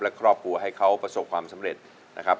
และครอบครัวให้เขาประสบความสำเร็จนะครับ